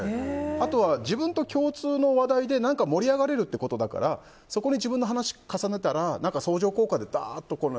あとは、自分と共通の話題で盛り上がれるってことだからそこに自分の話を重ねたら相乗効果でダーっと。